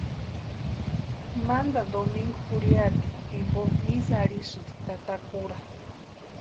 Mantani domingu jurhiatikwa jimpo misa arhisïnti tata kura.